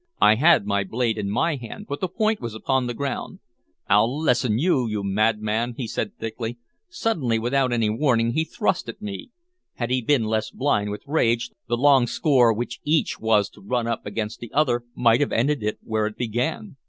I had my blade in my hand, but the point was upon the ground. "I'll lesson you, you madman!" he said thickly. Suddenly, without any warning, he thrust at me; had he been less blind with rage, the long score which each was to run up against the other might have ended where it began.